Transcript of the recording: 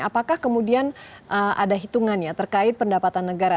apakah kemudian ada hitungannya terkait pendapatan negara